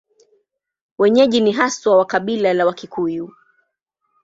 Wenyeji ni haswa wa kabila la Wakikuyu.